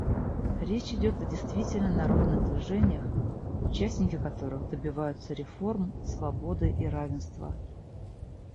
Речь идет о действительно народных движениях, участники которых добиваются реформ, свободы и равенства.